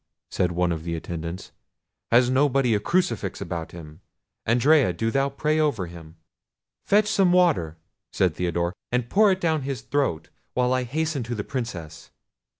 said one of the attendants; "has nobody a crucifix about them? Andrea, do thou pray over him." "Fetch some water," said Theodore, "and pour it down his throat, while I hasten to the Princess."